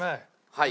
はい。